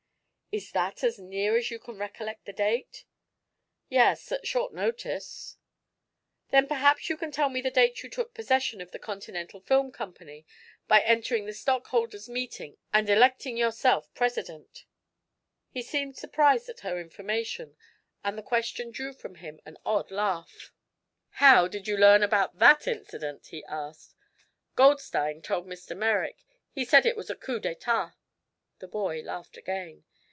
"Is that as near as you can recollect the date?" "Yes, at short notice." "Then perhaps you can tell me the date you took possession of the Continental Film Company by entering the stockholders' meeting and ejecting yourself president?" He seemed surprised at her information and the question drew from him an odd laugh. "How did you learn about that incident?" he asked. "Goldstein told Mr. Merrick. He said it was a coup d'etat." The boy laughed again.